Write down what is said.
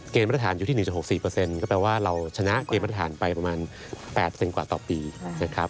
มาตรฐานอยู่ที่๑๖๔ก็แปลว่าเราชนะเกณฑ์มาตรฐานไปประมาณ๘เซนกว่าต่อปีนะครับ